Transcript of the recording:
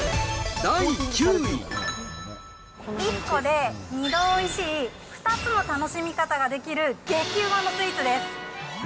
１個で２度おいしい、２つの楽しみ方ができる激ウマのスイーツです。